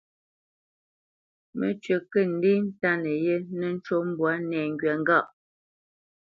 Mə́cywǐ kə̂ ndê ntánə yé nə́ ncú mbwǎ nɛŋgywa ŋgâʼ.